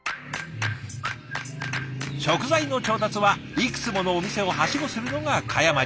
食材の調達はいくつものお店をはしごするのが嘉山流。